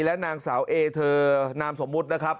และนางสาวเอเธอนามสมมุตินะครับ